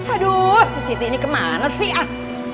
aduh susiti ini ke mana sih ah